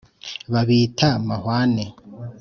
babita mahwane